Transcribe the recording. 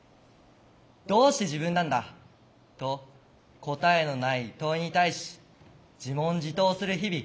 「どうして自分なんだ」と答えのない問いに対し自問自答する日々。